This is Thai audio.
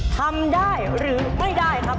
ทำได้หรือไม่ได้ครับ